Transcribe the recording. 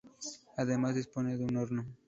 Además dispone de un horno.